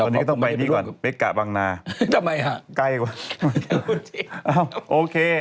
ในคลิปในคลิป